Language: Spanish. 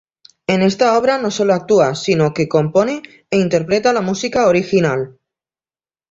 En esta obra no sólo actúa sino que compone e interpreta la música original.